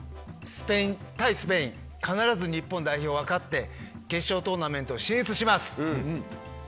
対スペイン必ず日本代表は勝って決勝トーナメント進出します！